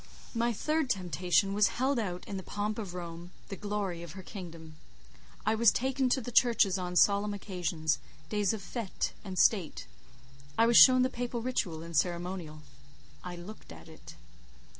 My third temptation was held out in the pomp of Rome—the glory of her kingdom. I was taken to the churches on solemn occasions—days of fête and state; I was shown the Papal ritual and ceremonial. I looked at it.